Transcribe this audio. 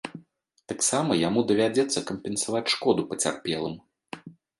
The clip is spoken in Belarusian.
Таксама яму давядзецца кампенсаваць шкоду пацярпелым.